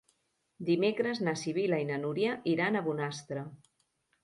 Dimecres na Sibil·la i na Núria iran a Bonastre.